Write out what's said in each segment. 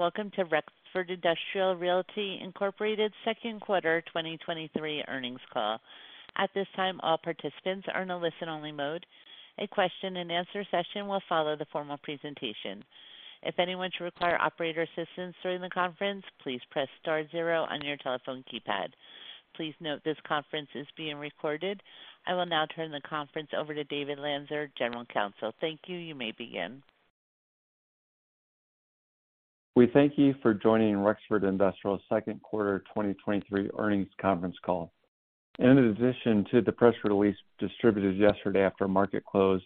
Welcome to Rexford Industrial Realty, Incorporated second quarter 2023 earnings call. At this time, all participants are in a listen-only mode. A question-and-answer session will follow the formal presentation. If anyone should require operator assistance during the conference, please press star zero on your telephone keypad. Please note this conference is being recorded. I will now turn the conference over to David Lanzer, General Counsel. Thank you. You may begin. We thank you for joining Rexford Industrial's second quarter 2023 earnings conference call. In addition to the press release distributed yesterday after market close,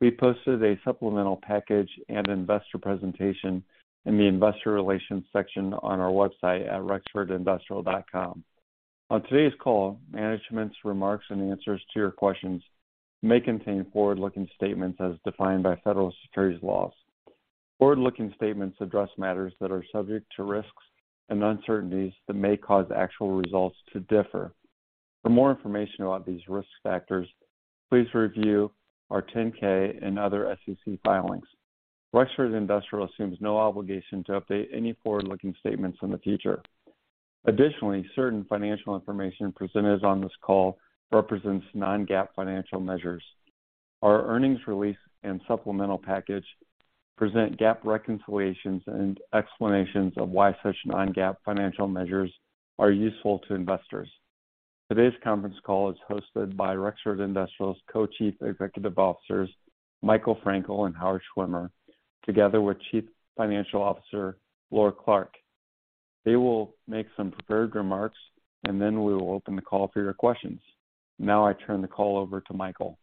we posted a supplemental package and investor presentation in the investor relations section on our website at rexfordindustrial.com. On today's call, management's remarks and answers to your questions may contain forward-looking statements as defined by federal securities laws. Forward-looking statements address matters that are subject to risks and uncertainties that may cause actual results to differ. For more information about these risk factors, please review our 10-K and other SEC filings. Rexford Industrial assumes no obligation to update any forward-looking statements in the future. Additionally, certain financial information presented on this call represents non-GAAP financial measures. Our earnings release and supplemental package present GAAP reconciliations and explanations of why such non-GAAP financial measures are useful to investors. Today's conference call is hosted by Rexford Industrial's Co-Chief Executive Officers, Michael Frankel and Howard Schwimmer, together with Chief Financial Officer, Laura Clark. They will make some prepared remarks, and then we will open the call for your questions. Now I turn the call over to Michael.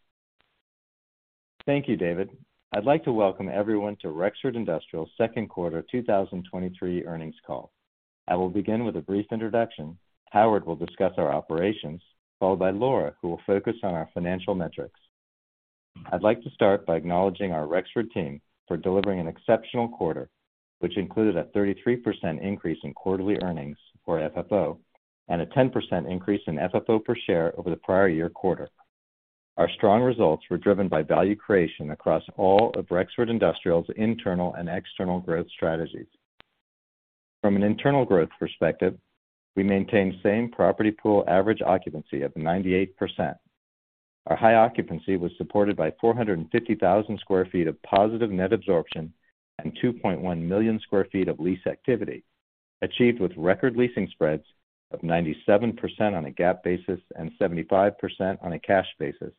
Thank you, David. I'd like to welcome everyone to Rexford Industrial's second quarter 2023 earnings call. I will begin with a brief introduction. Howard will discuss our operations, followed by Laura, who will focus on our financial metrics. I'd like to start by acknowledging our Rexford team for delivering an exceptional quarter, which included a 33% increase in quarterly earnings, or FFO, and a 10% increase in FFO per share over the prior year quarter. Our strong results were driven by value creation across all of Rexford Industrial's internal and external growth strategies. From an internal growth perspective, we maintained same property pool average occupancy of 98%. Our high occupancy was supported by 450,000 sq ft of positive net absorption and 2.1 million sq ft of lease activity, achieved with record leasing spreads of 97% on a GAAP basis and 75% on a cash basis.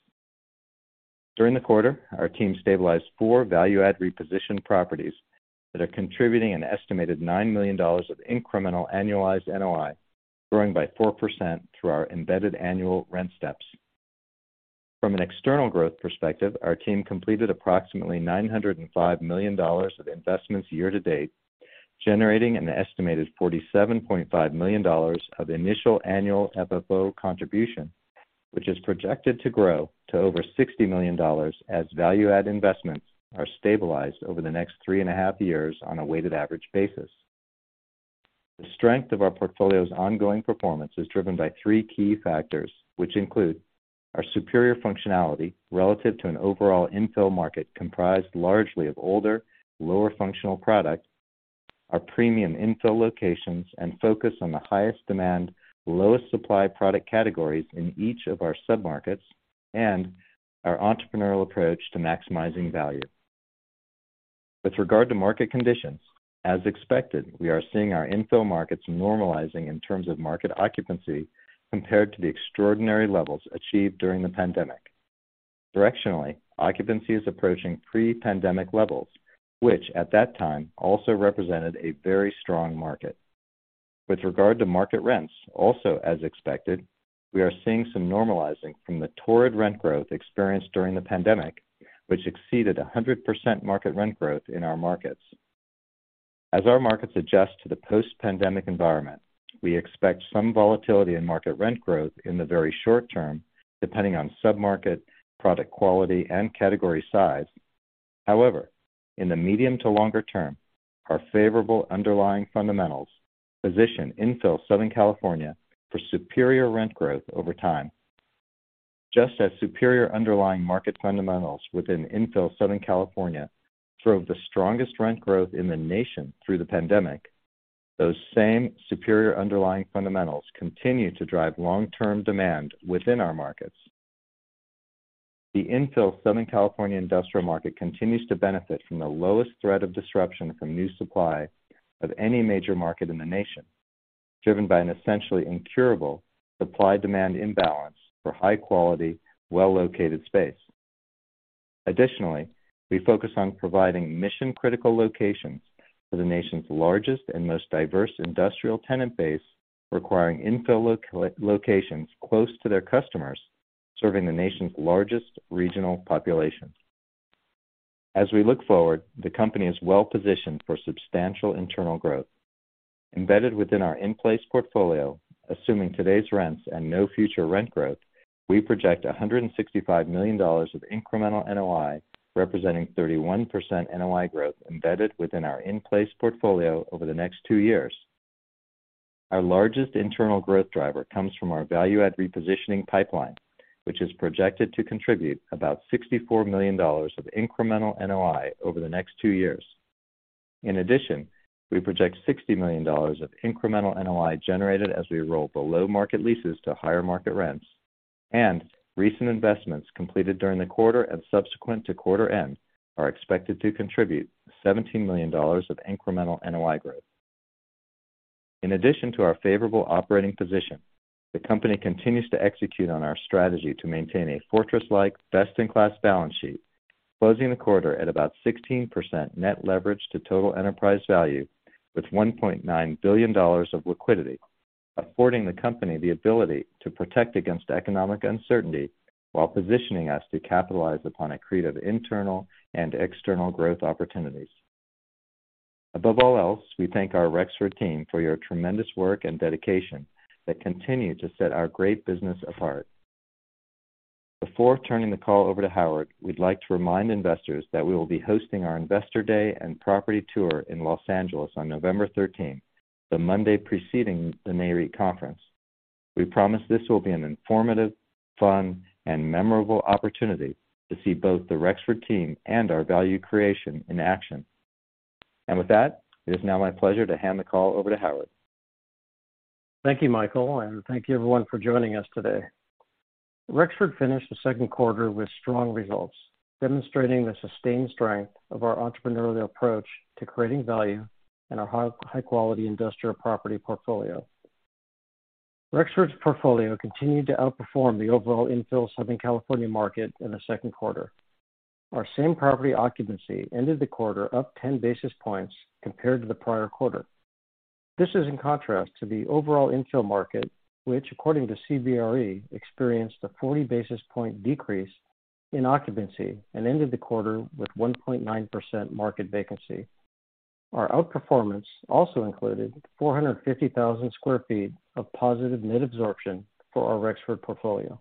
During the quarter, our team stabilized four value-add reposition properties that are contributing an estimated $9 million of incremental annualized NOI, growing by 4% through our embedded annual rent steps. From an external growth perspective, our team completed approximately $905 million of investments year to date, generating an estimated $47.5 million of initial annual FFO contribution, which is projected to grow to over $60 million as value-add investments are stabilized over the next 3.5 years on a weighted average basis. The strength of our portfolio's ongoing performance is driven by three key factors, which include our superior functionality relative to an overall infill market comprised largely of older, lower functional product, our premium infill locations and focus on the highest demand, lowest supply product categories in each of our submarkets, and our entrepreneurial approach to maximizing value. With regard to market conditions, as expected, we are seeing our infill markets normalizing in terms of market occupancy compared to the extraordinary levels achieved during the pandemic. Directionally, occupancy is approaching pre-pandemic levels, which at that time also represented a very strong market. With regard to market rents, also as expected, we are seeing some normalizing from the torrid rent growth experienced during the pandemic, which exceeded 100% market rent growth in our markets. As our markets adjust to the post-pandemic environment, we expect some volatility in market rent growth in the very short term, depending on submarket, product quality, and category size. However, in the medium to longer term, our favorable underlying fundamentals position infill Southern California for superior rent growth over time. Just as superior underlying market fundamentals within infill Southern California drove the strongest rent growth in the nation through the pandemic, those same superior underlying fundamentals continue to drive long-term demand within our markets. The infill Southern California industrial market continues to benefit from the lowest threat of disruption from new supply of any major market in the nation, driven by an essentially incurable supply-demand imbalance for high quality, well-located space. Additionally, we focus on providing mission-critical locations to the nation's largest and most diverse industrial tenant base, requiring infill lo-locations close to their customers, serving the nation's largest regional population. As we look forward, the company is well positioned for substantial internal growth. Embedded within our in-place portfolio, assuming today's rents and no future rent growth, we project $165 million of incremental NOI, representing 31% NOI growth embedded within our in-place portfolio over the next two years. Our largest internal growth driver comes from our value add repositioning pipeline, which is projected to contribute about $64 million of incremental NOI over the next two years. In addition, we project $60 million of incremental NOI generated as we roll below market leases to higher market rents. Recent investments completed during the quarter and subsequent to quarter end are expected to contribute $17 million of incremental NOI growth. In addition to our favorable operating position, the company continues to execute on our strategy to maintain a fortress-like, best-in-class balance sheet, closing the quarter at about 16% net leverage to total enterprise value, with $1.9 billion of liquidity, affording the company the ability to protect against economic uncertainty while positioning us to capitalize upon accretive internal and external growth opportunities. Above all else, we thank our Rexford team for your tremendous work and dedication that continue to set our great business apart. Before turning the call over to Howard, we'd like to remind investors that we will be hosting our Investor Day and property tour in Los Angeles on November 13th, the Monday preceding the Nareit conference. We promise this will be an informative, fun, and memorable opportunity to see both the Rexford team and our value creation in action. With that, it is now my pleasure to hand the call over to Howard. Thank you, Michael, thank you everyone for joining us today. Rexford finished the second quarter with strong results, demonstrating the sustained strength of our entrepreneurial approach to creating value in our high quality industrial property portfolio. Rexford's portfolio continued to outperform the overall infill Southern California market in the second quarter. Our same property occupancy ended the quarter up 10 basis points compared to the prior quarter. This is in contrast to the overall infill market, which according to CBRE, experienced a 40 basis point decrease in occupancy and ended the quarter with 1.9% market vacancy. Our outperformance also included 450,000 sq ft of positive net absorption for our Rexford portfolio.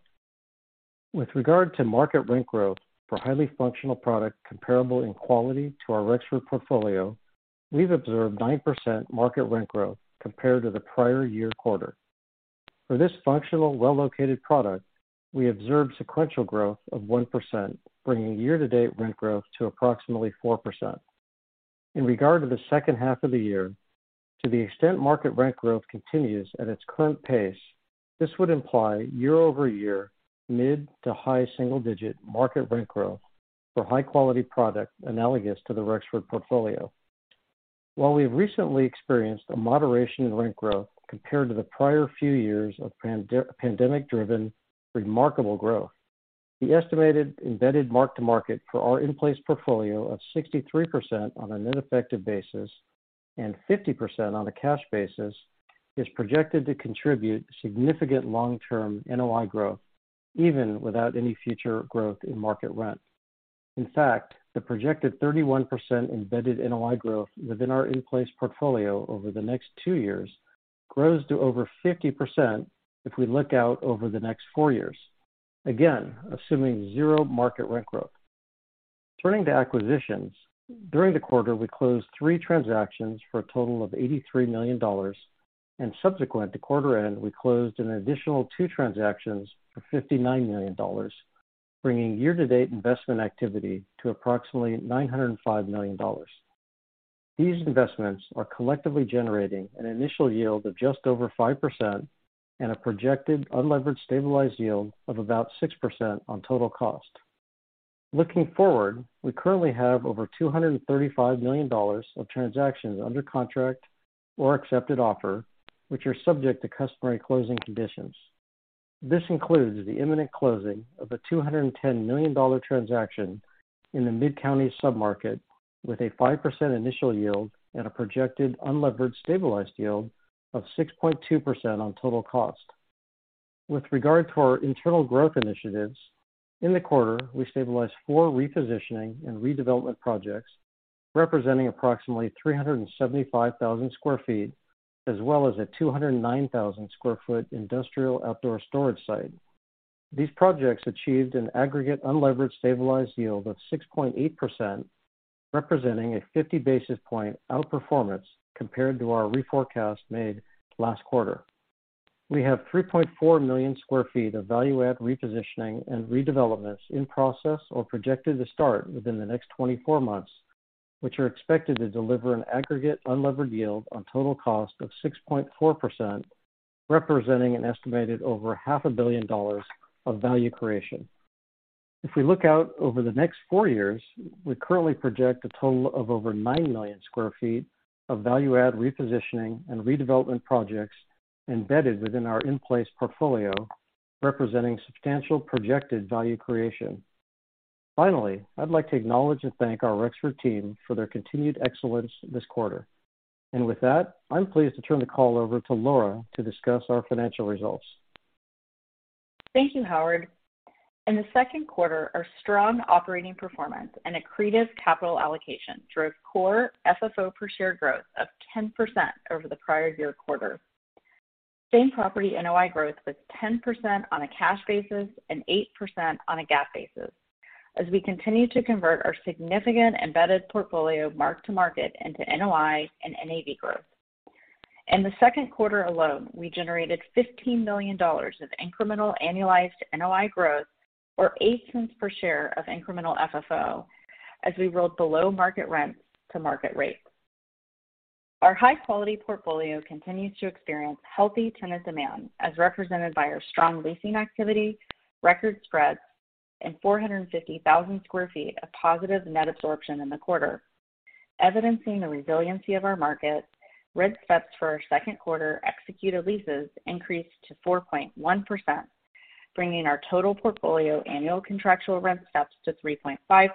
With regard to market rent growth for highly functional product comparable in quality to our Rexford portfolio, we've observed 9% market rent growth compared to the prior year quarter. For this functional, well-located product, we observed sequential growth of 1%, bringing year-to-date rent growth to approximately 4%. In regard to the second half of the year, to the extent market rent growth continues at its current pace, this would imply year-over-year mid-to-high single-digit market rent growth for high-quality product analogous to the Rexford portfolio. While we've recently experienced a moderation in rent growth compared to the prior few years of pandemic-driven remarkable growth, the estimated embedded mark-to-market for our in-place portfolio of 63% on an ineffective basis and 50% on a cash basis, is projected to contribute significant long-term NOI growth, even without any future growth in market rent. In fact, the projected 31% embedded NOI growth within our in-place portfolio over the next two years grows to over 50% if we look out over the next four years. Again, assuming zero market rent growth. Turning to acquisitions, during the quarter, we closed three transactions for a total of $83 million, and subsequent to quarter end, we closed an additional two transactions for $59 million, bringing year-to-date investment activity to approximately $905 million. These investments are collectively generating an initial yield of just over 5% and a projected unlevered stabilized yield of about 6% on total cost. Looking forward, we currently have over $235 million of transactions under contract or accepted offer, which are subject to customary closing conditions. This includes the imminent closing of a $210 million transaction in the Mid-Counties submarket, with a 5% initial yield and a projected unlevered stabilized yield of 6.2% on total cost. With regard to our internal growth initiatives, in the quarter, we stabilized four repositioning and redevelopment projects, representing approximately 375,000 sq ft, as well as a 209,000 sq ft Industrial Outdoor Storage site. These projects achieved an aggregate unlevered stabilized yield of 6.8%, representing a 50 basis point outperformance compared to our reforecast made last quarter. We have 3.4 million sq ft of value add repositioning and redevelopments in process or projected to start within the next 24 months, which are expected to deliver an aggregate unlevered yield on total cost of 6.4%, representing an estimated over half a billion dollars of value creation. If we look out over the next four years, we currently project a total of over 9 million sq ft of value add repositioning and redevelopment projects embedded within our in-place portfolio, representing substantial projected value creation. Finally, I'd like to acknowledge and thank our Rexford team for their continued excellence this quarter. With that, I'm pleased to turn the call over to Laura to discuss our financial results. Thank you, Howard. In the second quarter, our strong operating performance and accretive capital allocation drove core FFO per share growth of 10% over the prior year quarter. Same property NOI growth was 10% on a cash basis and 8% on a GAAP basis, as we continue to convert our significant embedded portfolio mark-to-market into NOI and NAV growth. In the second quarter alone, we generated $15 million of incremental annualized NOI growth, or $0.08 per share of incremental FFO, as we rolled below market rents to market rates. Our high-quality portfolio continues to experience healthy tenant demand, as represented by our strong leasing activity, record spreads, and 450,000 sq ft of positive net absorption in the quarter. Evidencing the resiliency of our market, rent steps for our second quarter executed leases increased to 4.1%, bringing our total portfolio annual contractual rent steps to 3.5%,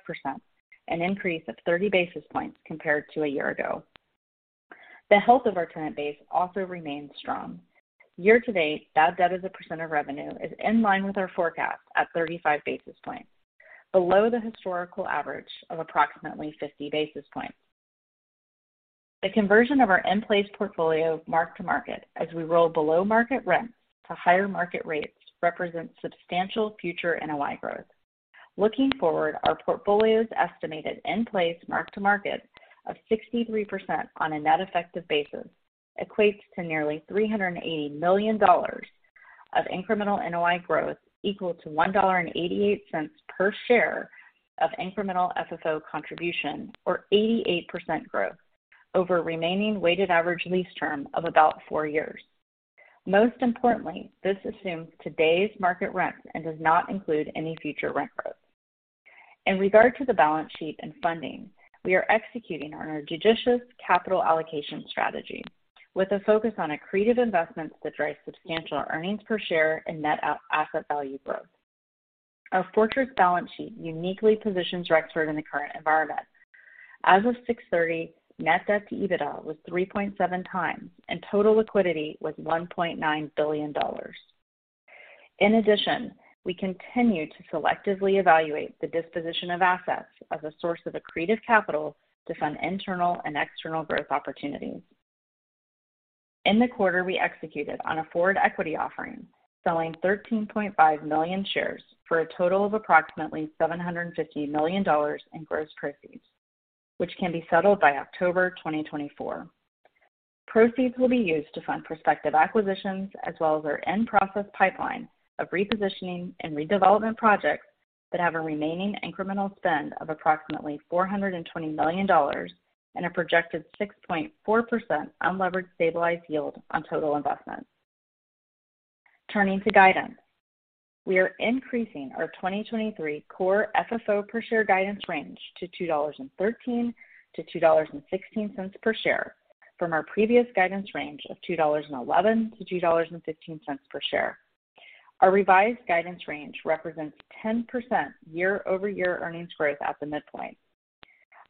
an increase of 30 basis points compared to a year ago. The health of our tenant base also remains strong. Year to date, bad debt as a percent of revenue is in line with our forecast at 35 basis points, below the historical average of approximately 50 basis points. The conversion of our in-place portfolio mark-to-market, as we roll below market rents to higher market rates, represents substantial future NOI growth. Looking forward, our portfolio's estimated in-place mark-to-market of 63% on a net effective basis equates to nearly $380 million of incremental NOI growth, equal to $1.88 per share of incremental FFO contribution, or 88% growth over a remaining weighted average lease term of about four years. Most importantly, this assumes today's market rents and does not include any future rent growth. In regard to the balance sheet and funding, we are executing on our judicious capital allocation strategy with a focus on accretive investments that drive substantial earnings per share and net asset value growth. Our fortress balance sheet uniquely positions Rexford in the current environment. As of June 30, net debt to EBITDA was 3.7x, and total liquidity was $1.9 billion. In addition, we continue to selectively evaluate the disposition of assets as a source of accretive capital to fund internal and external growth opportunities. In the quarter, we executed on a forward equity offering, selling 13.5 million shares for a total of approximately $750 million in gross proceeds, which can be settled by October 2024. Proceeds will be used to fund prospective acquisitions as well as our in-process pipeline of repositioning and redevelopment projects that have a remaining incremental spend of approximately $420 million and a projected 6.4% unlevered stabilized yield on total investment. Turning to guidance, we are increasing our 2023 core FFO per share guidance range to $2.13-$2.16 per share from our previous guidance range of $2.11-$2.15 per share. Our revised guidance range represents 10% year-over-year earnings growth at the midpoint.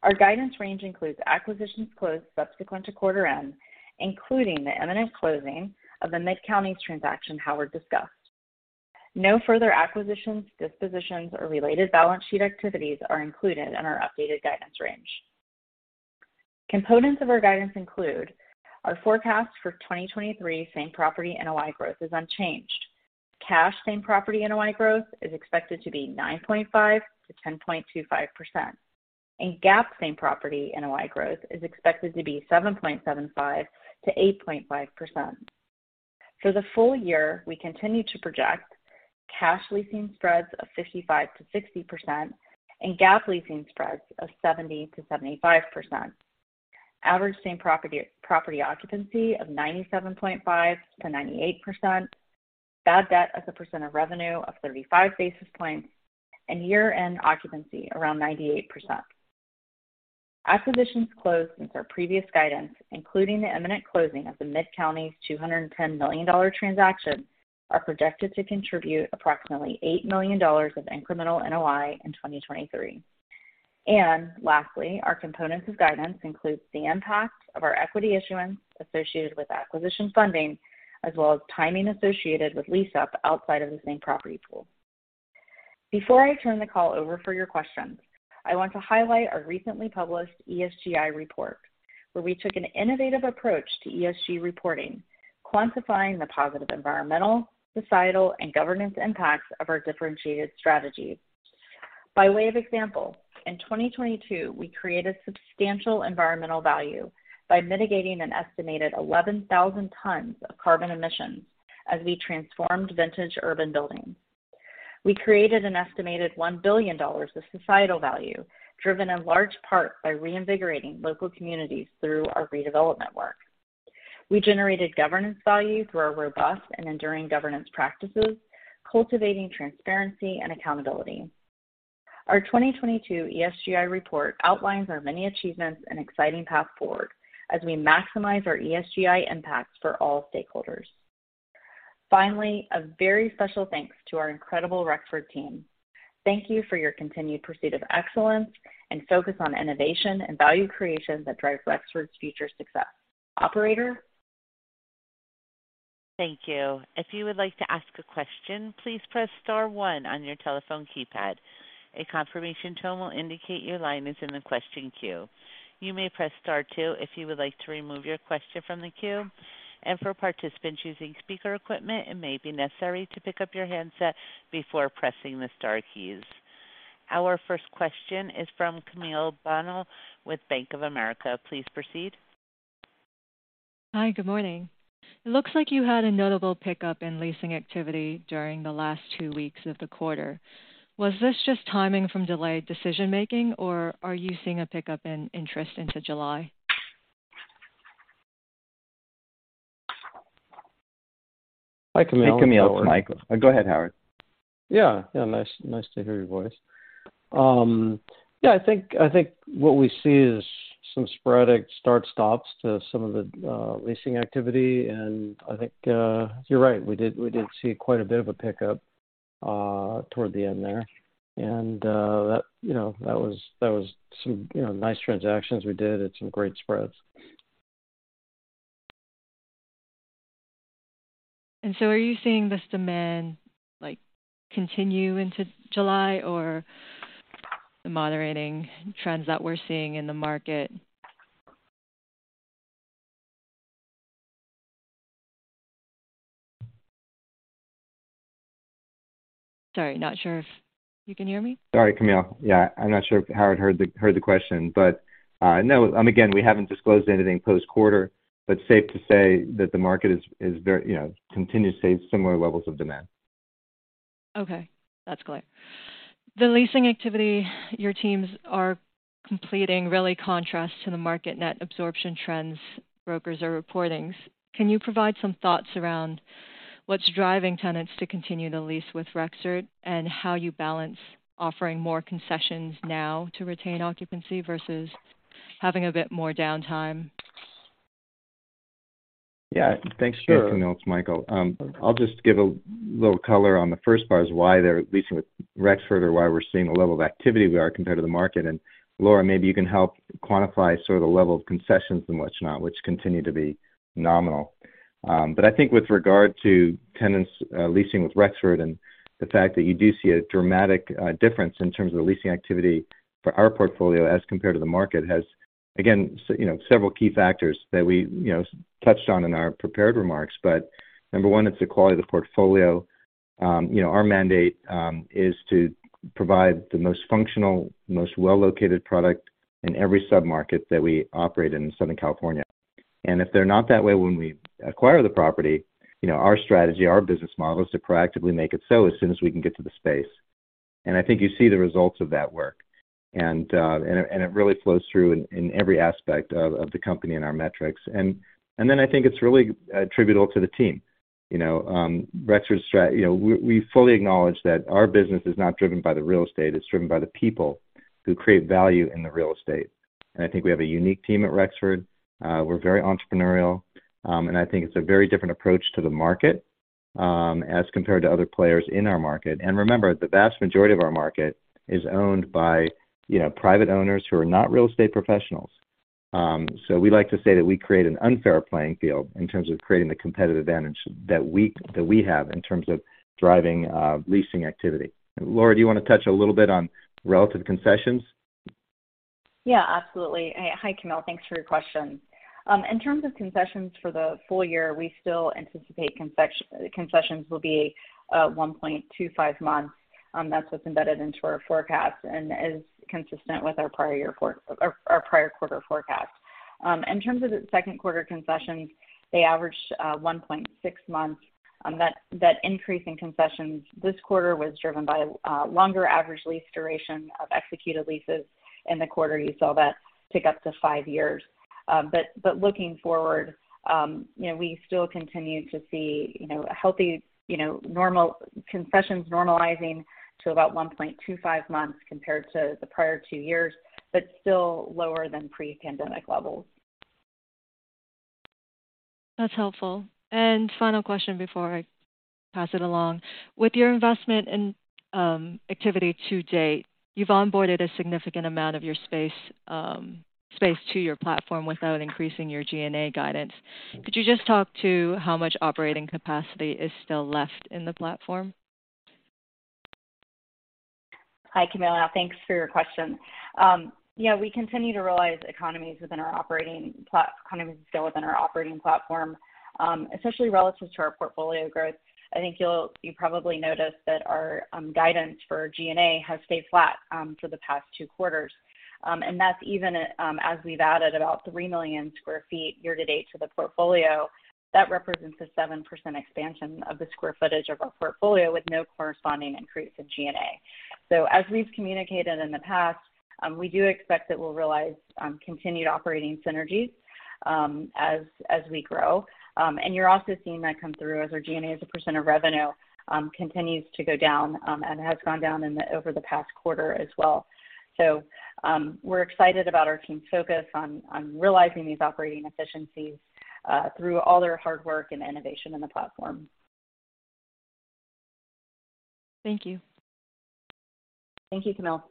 Our guidance range includes acquisitions closed subsequent to quarter end, including the imminent closing of the Mid-Counties transaction Howard discussed. No further acquisitions, dispositions, or related balance sheet activities are included in our updated guidance range. Components of our guidance include: Our forecast for 2023 same property NOI growth is unchanged. Cash same property NOI growth is expected to be 9.5%-10.25%, and GAAP same property NOI growth is expected to be 7.75%-8.5%. For the full year, we continue to project cash leasing spreads of 55%-60% and GAAP leasing spreads of 70%-75%. Average same property occupancy of 97.5%-98%, bad debt as a percent of revenue of 35 basis points, and year-end occupancy around 98%. Acquisitions closed since our previous guidance, including the imminent closing of the Mid-Counties $210 million transaction, are projected to contribute approximately $8 million of incremental NOI in 2023. Lastly, our components of guidance includes the impact of our equity issuance associated with acquisition funding, as well as timing associated with lease up outside of the same property pool. Before I turn the call over for your questions, I want to highlight our recently published ESGi report, where we took an innovative approach to ESG reporting, quantifying the positive environmental, societal, and governance impacts of our differentiated strategy. By way of example, in 2022, we created substantial environmental value by mitigating an estimated 11,000 tons of carbon emissions as we transformed vintage urban buildings. We created an estimated $1 billion of societal value, driven in large part by reinvigorating local communities through our redevelopment work. We generated governance value through our robust and enduring governance practices, cultivating transparency and accountability. Our 2022 ESGi report outlines our many achievements and exciting path forward as we maximize our ESGi impacts for all stakeholders. Finally, a very special thanks to our incredible Rexford team. Thank you for your continued pursuit of excellence and focus on innovation and value creation that drives Rexford's future success. Operator?... Thank you. If you would like to ask a question, please press star one on your telephone keypad. A confirmation tone will indicate your line is in the question queue. You may press star two if you would like to remove your question from the queue. For participants using speaker equipment, it may be necessary to pick up your handset before pressing the star keys. Our first question is from Camille Bonnel with Bank of America. Please proceed. Hi, good morning. It looks like you had a notable pickup in leasing activity during the last two weeks of the quarter. Was this just timing from delayed decision making, or are you seeing a pickup in interest into July? Hi, Camille. Hey, Camille, it's Michael. Go ahead, Howard. Yeah, nice to hear your voice. I think what we see is some sporadic start, stops to some of the leasing activity. I think, you're right, we did see quite a bit of a pickup toward the end there. That, you know, that was some, you know, nice transactions we did at some great spreads. Are you seeing this demand, like, continue into July or the moderating trends that we're seeing in the market? Sorry, not sure if you can hear me. Sorry, Camille. Yeah, I'm not sure if Howard heard the question. No, again, we haven't disclosed anything post-quarter, safe to say that the market is very, you know, continues to save similar levels of demand. Okay. That's clear. The leasing activity your teams are completing really contrasts to the market net absorption trends brokers are reporting. Can you provide some thoughts around what's driving tenants to continue to lease with Rexford, and how you balance offering more concessions now to retain occupancy versus having a bit more downtime? Yeah, thanks, Camille. It's Michael. I'll just give a little color on the first part is why they're leasing with Rexford or why we're seeing the level of activity we are compared to the market. Laura, maybe you can help quantify sort of the level of concessions and what not, which continue to be nominal. I think with regard to tenants, leasing with Rexford and the fact that you do see a dramatic difference in terms of the leasing activity for our portfolio as compared to the market, has, again, you know, several key factors that we, you know, touched on in our prepared remarks. Number one, it's the quality of the portfolio. You know, our mandate is to provide the most functional, most well-located product in every submarket that we operate in Southern California. If they're not that way, when we acquire the property, you know, our strategy, our business model is to proactively make it so as soon as we can get to the space. I think you see the results of that work. It really flows through in every aspect of the company and our metrics. Then I think it's really attributable to the team. You know, Rexford's, you know, we fully acknowledge that our business is not driven by the real estate, it's driven by the people who create value in the real estate. I think we have a unique team at Rexford. We're very entrepreneurial, and I think it's a very different approach to the market as compared to other players in our market. Remember, the vast majority of our market is owned by, you know, private owners who are not real estate professionals. We like to say that we create an unfair playing field in terms of creating the competitive advantage that we, that we have in terms of driving leasing activity. Laura, do you want to touch a little bit on relative concessions? Yeah, absolutely. Hi, Camille. Thanks for your question. In terms of concessions for the full year, we still anticipate concessions will be 1.25 months. That's what's embedded into our forecast and is consistent with our prior year forecast or our prior quarter forecast. In terms of the second quarter concessions, they averaged 1.6 months. That increase in concessions this quarter was driven by longer average lease duration of executed leases. In the quarter, you saw that tick up to five years. Looking forward, you know, we still continue to see, you know, a healthy, you know, concessions normalizing to about 1.25 months compared to the prior two years, but still lower than pre-pandemic levels. That's helpful. Final question before I pass it along: With your investment in activity to date, you've onboarded a significant amount of your space to your platform without increasing your G&A guidance. Could you just talk to how much operating capacity is still left in the platform? Hi, Camille. Thanks for your question. Yeah, we continue to realize economies still within our operating platform, especially relative to our portfolio growth. I think you probably noticed that our guidance for G&A has stayed flat for the past two quarters. That's even as we've added about 3 million sq ft year to date to the portfolio. That represents a 7% expansion of the square footage of our portfolio with no corresponding increase in G&A. As we've communicated in the past, we do expect that we'll realize continued operating synergies as we grow. You're also seeing that come through as our G&A, as a percent of revenue, continues to go down and has gone down over the past quarter as well. We're excited about our team's focus on realizing these operating efficiencies, through all their hard work and innovation in the platform. Thank you. Thank you, Camille.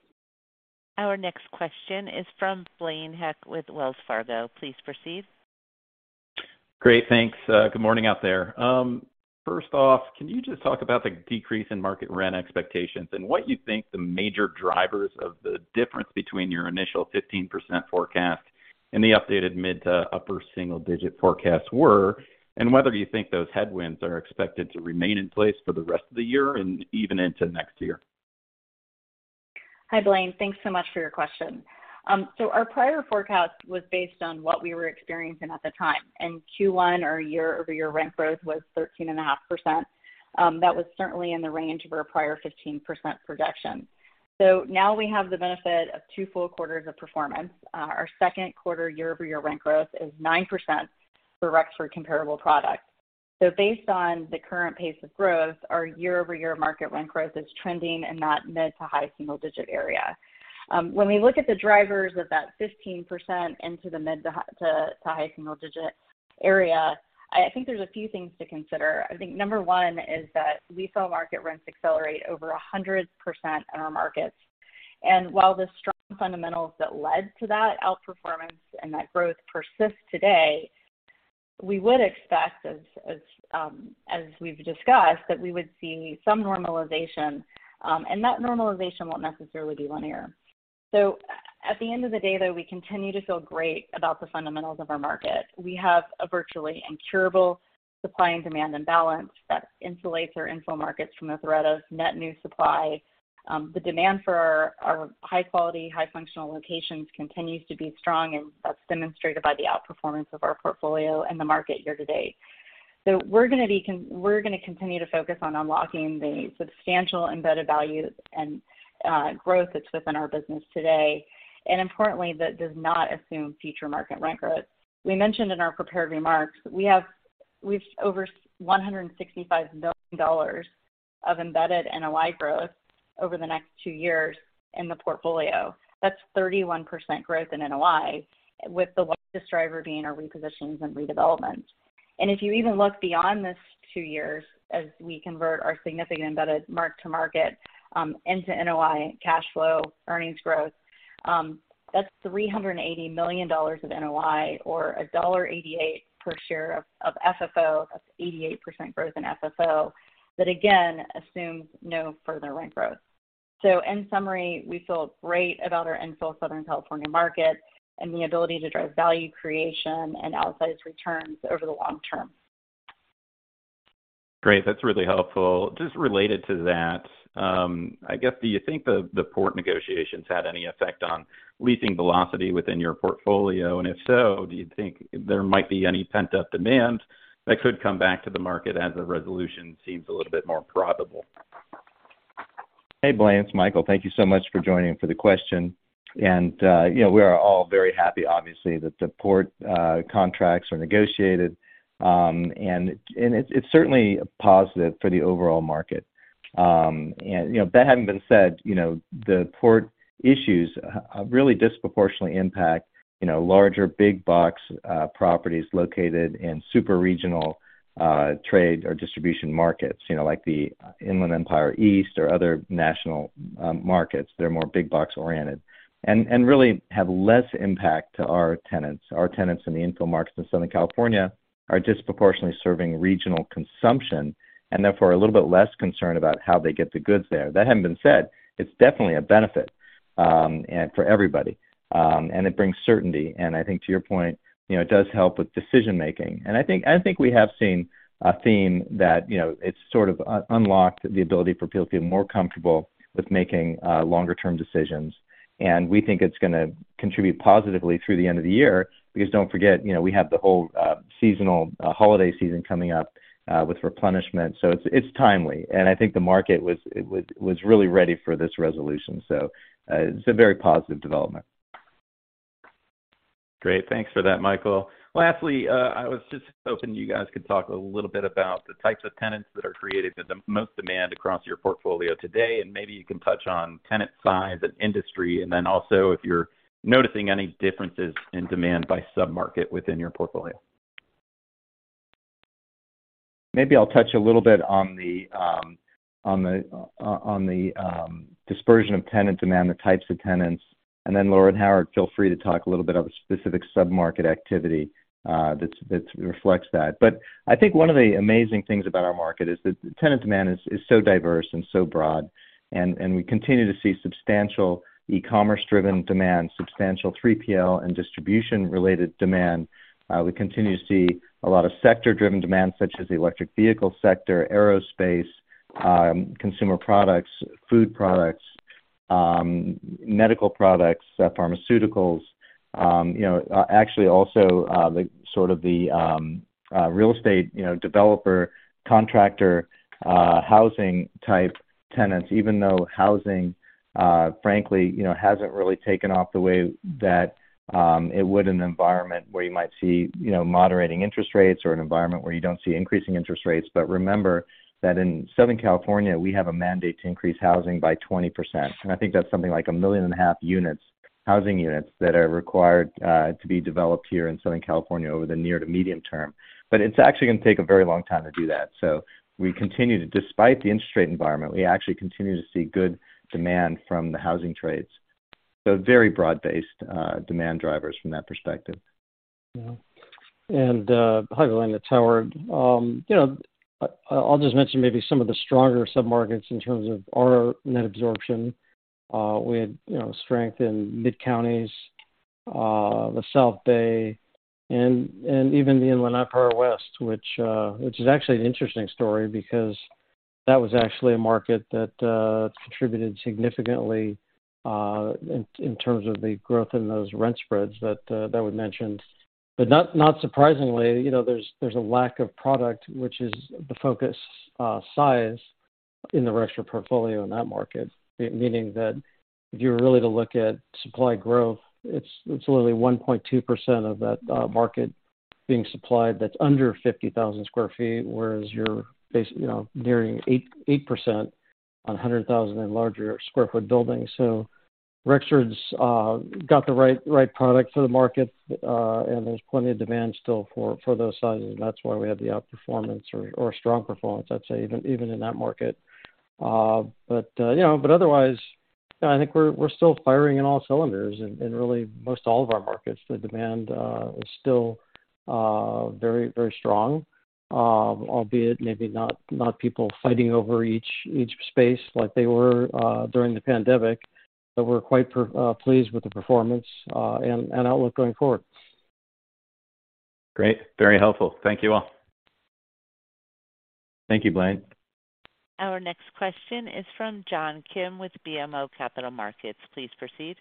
Our next question is from Blaine Heck with Wells Fargo. Please proceed. Great, thanks. Good morning out there. First off, can you just talk about the decrease in market rent expectations and what you think the major drivers of the difference between your initial 15% forecast and the updated mid to upper single-digit forecasts were, and whether you think those headwinds are expected to remain in place for the rest of the year and even into next year? Hi, Blaine. Thanks so much for your question. Our prior forecast was based on what we were experiencing at the time, and Q1, our year-over-year rent growth was 13.5%. That was certainly in the range of our prior 15% projection. Now we have the benefit of two full quarters of performance. Our second quarter year-over-year rent growth is 9% for Rexford comparable products. Based on the current pace of growth, our year-over-year market rent growth is trending in that mid to high single digit area. When we look at the drivers of that 15% into the mid to high single digit area, I think there's a few things to consider. I think number one is that we saw market rents accelerate over 100% in our markets. While the strong fundamentals that led to that outperformance and that growth persists today, we would expect as, as we've discussed, that we would see some normalization, and that normalization won't necessarily be linear. At the end of the day, though, we continue to feel great about the fundamentals of our market. We have a virtually incurable supply and demand imbalance that insulates our infill markets from the threat of net new supply. The demand for our high-quality, high-functional locations continues to be strong, and that's demonstrated by the outperformance of our portfolio and the market year to date. We're going to continue to focus on unlocking the substantial embedded value and growth that's within our business today, and importantly, that does not assume future market rent growth. We mentioned in our prepared remarks that we've over $165 million of embedded NOI growth over the next two years in the portfolio. That's 31% growth in NOI, with the largest driver being our repositions and redevelopments. If you even look beyond this two years, as we convert our significant embedded mark-to-market, into NOI, cash flow, earnings growth, that's $380 million of NOI or $1.88 per share of FFO. That's 88% growth in FFO. That, again, assumes no further rent growth. In summary, we feel great about our infill Southern California market and the ability to drive value creation and outsized returns over the long term. Great. That's really helpful. Just related to that, I guess, do you think the port negotiations had any effect on leasing velocity within your portfolio? And if so, do you think there might be any pent-up demand that could come back to the market as the resolution seems a little bit more probable? Hey, Blaine, it's Michael. Thank you so much for joining for the question. You know, we are all very happy, obviously, that the port contracts are negotiated. It, and it's certainly a positive for the overall market. You know, that having been said, you know, the port issues really disproportionately impact, you know, larger, big-box properties located in super-regional trade or distribution markets, you know, like the Inland Empire East or other national markets. They're more big-box-oriented and really have less impact to our tenants. Our tenants in the infill markets in Southern California are disproportionately serving regional consumption and therefore, are a little bit less concerned about how they get the goods there. That having been said, it's definitely a benefit, for everybody, and it brings certainty. I think to your point, you know, it does help with decision-making. I think we have seen a theme that, you know, it's sort of unlocked the ability for people to feel more comfortable with making longer-term decisions. We think it's gonna contribute positively through the end of the year, because don't forget, you know, we have the whole seasonal holiday season coming up with replenishment. It's timely, and I think the market was really ready for this resolution. It's a very positive development. Great. Thanks for that, Michael. Lastly, I was just hoping you guys could talk a little bit about the types of tenants that are creating the most demand across your portfolio today, and maybe you can touch on tenant size and industry, and then also if you're noticing any differences in demand by submarket within your portfolio. Maybe I'll touch a little bit on the dispersion of tenant demand, the types of tenants. Laura and Howard, feel free to talk a little bit about specific submarket activity that reflects that. I think one of the amazing things about our market is that tenant demand is so diverse and so broad, and we continue to see substantial e-commerce-driven demand, substantial 3PL and distribution-related demand. We continue to see a lot of sector-driven demand, such as the electric vehicle sector, aerospace, consumer products, food products, medical products, pharmaceuticals. You know, actually also, the sort of the real estate, you know, developer, contractor, housing-type tenants, even though housing, frankly, you know, hasn't really taken off the way that it would in an environment where you might see, you know, moderating interest rates or an environment where you don't see increasing interest rates. Remember that in Southern California, we have a mandate to increase housing by 20%, and I think that's something like 1.5 million housing units that are required to be developed here in Southern California over the near to medium term. It's actually going to take a very long time to do that. We continue despite the interest rate environment, we actually continue to see good demand from the housing trades. Very broad-based demand drivers from that perspective. Yeah. Hi, Blaine, it's Howard. You know, I'll just mention maybe some of the stronger submarkets in terms of our net absorption. We had, you know, strength in mid-counties, the South Bay, and even the Inland Empire West, which is actually an interesting story because that was actually a market that contributed significantly in terms of the growth in those rent spreads that were mentioned. Not surprisingly, you know, there's a lack of product, which is the focus, size in the Rexford portfolio in that market. Meaning that if you were really to look at supply growth, it's literally 1.2% of that market being supplied, that's under 50,000 sq ft, whereas you're, you know, nearing 8% on 100,000 and larger sq ft buildings. Rexford's got the right product for the market, and there's plenty of demand still for those sizes. That's why we have the outperformance or strong performance, I'd say, even in that market. You know, but otherwise, I think we're still firing on all cylinders. In really most all of our markets, the demand is still very strong. Albeit maybe not people fighting over each space like they were during the pandemic, but we're quite pleased with the performance and outlook going forward. Great. Very helpful. Thank you all. Thank you, Blaine. Our next question is from John Kim with BMO Capital Markets. Please proceed.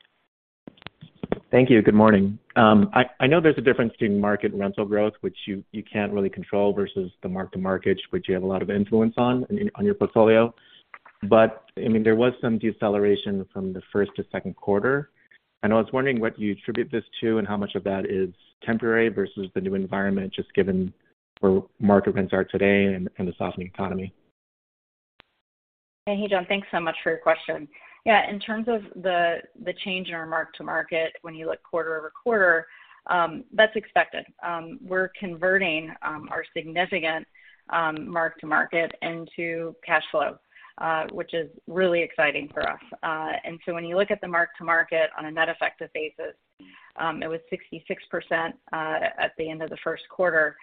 Thank you. Good morning. I know there's a difference between market rental growth, which you can't really control, versus the mark-to-market, which you have a lot of influence on your portfolio. I mean, there was some deceleration from the first to second quarter. I was wondering what you attribute this to and how much of that is temporary versus the new environment, just given where market rents are today and the softening economy. Hey, John, thanks so much for your question. Yeah, in terms of the change in our mark-to-market, when you look quarter-over-quarter, that's expected. We're converting our significant mark-to-market into cash flow, which is really exciting for us. When you look at the mark-to-market on a net effective basis, it was 66% at the end of the first quarter.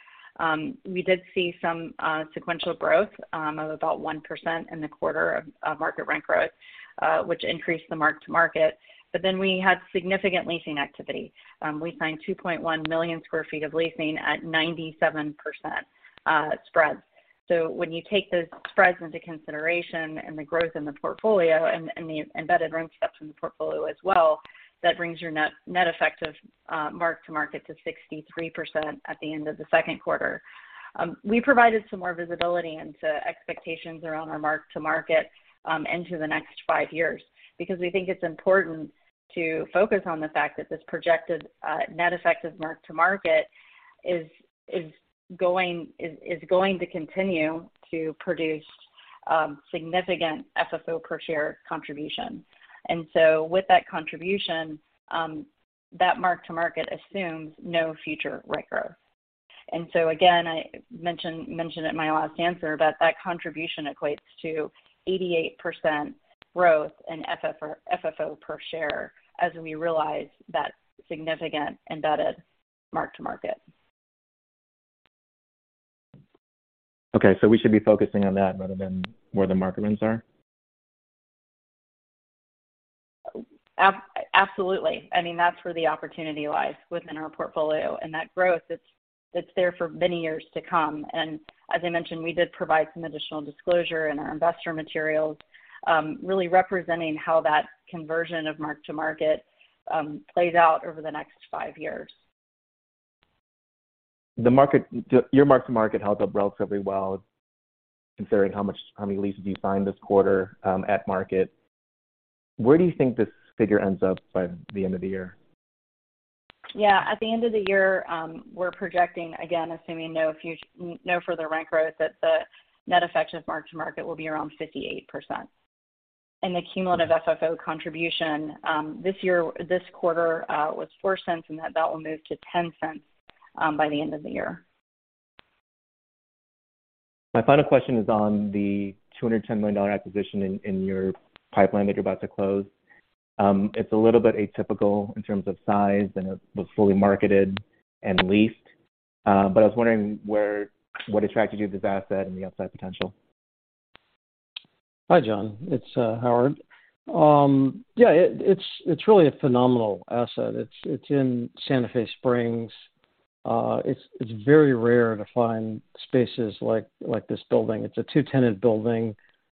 We did see some sequential growth of about 1% in the quarter of market rent growth, which increased the mark-to-market. We had significant leasing activity. We signed 2.1 million sq ft of leasing at 97% spreads. When you take those spreads into consideration and the growth in the portfolio and the embedded rent steps in the portfolio as well, that brings your net effective mark-to-market to 63% at the end of the second quarter. We provided some more visibility into expectations around our mark-to-market into the next five years, because we think it's important to focus on the fact that this projected net effective mark-to-market is going to continue to produce significant FFO per share contribution. With that contribution, that mark-to-market assumes no future rent growth. Again, I mentioned in my last answer that contribution equates to 88% growth in FFO per share as we realize that significant embedded mark-to-market. Okay, we should be focusing on that rather than where the market rents are? absolutely. I mean, that's where the opportunity lies within our portfolio. That growth, it's there for many years to come. As I mentioned, we did provide some additional disclosure in our investor materials, really representing how that conversion of mark-to-market plays out over the next five years. Your mark-to-market held up relatively well, considering how many leases you signed this quarter, at market. Where do you think this figure ends up by the end of the year? Yeah, at the end of the year, we're projecting, again, assuming no further rent growth, that the net effective mark-to-market will be around 58%. The cumulative FFO contribution, this year, this quarter, was $0.04, and that will move to $0.10 by the end of the year. My final question is on the $210 million acquisition in your pipeline that you're about to close. It's a little bit atypical in terms of size, it was fully marketed and leased. I was wondering what attracted you to this asset and the upside potential? Hi, John, it's Howard. Yeah, it's really a phenomenal asset. It's in Santa Fe Springs. It's very rare to find spaces like this building. It's a two-tenant building.